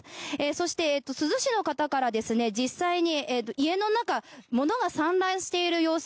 そして、珠洲市の方から実際に家の中物が散乱している様子